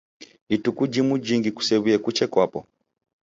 Ituku jimuJingi kusew'uye kuche kwapo.